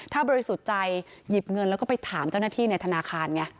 ถ้าบริสุทธิ์ใจหยิบเงินแล้วก็ไปถามเจ้าหน้าที่ในธนาคารไง